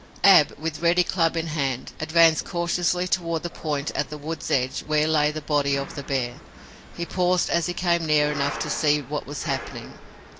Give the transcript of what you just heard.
Ab, with ready club in hand, advanced cautiously toward the point at the wood's edge where lay the body of the bear. He paused as he came near enough to see what was happening.